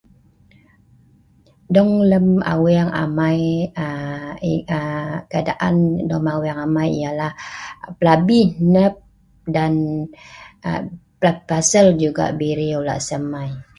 Dong lem aweng amai, aa keadaan dong lem aweng amai adalah plabi hnep dan pasel juga biriu' lasem ai